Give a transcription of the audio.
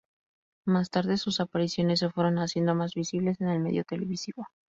Más tarde sus apariciones se fueron haciendo más visibles en el medio televisivo.